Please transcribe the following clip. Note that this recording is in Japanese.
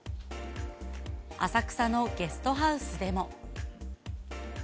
浅草のゲストハウスでも。